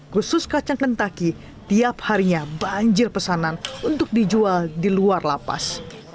khusus kacang lentaki tiap harinya banjir pesanan untuk dijual di luar lapas